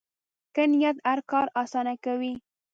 ښه نیت هر کار اسانه کوي.